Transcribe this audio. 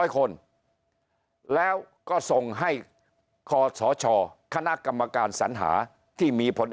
คนแล้วก็ส่งให้คศคณะกรรมการสัญหาที่มีผล